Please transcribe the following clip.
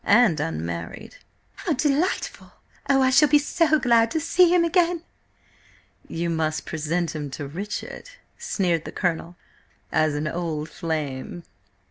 And unmarried." "How delightful! Oh, I shall be so glad to see him again!" "You must present him to Richard," sneered the Colonel, "as an old flame."